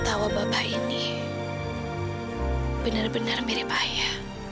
tawa bapak ini benar benar mirip saya